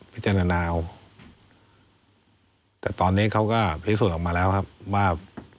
พิจารณาเอาแต่ตอนนี้เขาก็พิสูจน์ออกมาแล้วครับว่า